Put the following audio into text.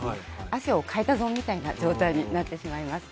汗をかいた損みたいな状態になってしまいます。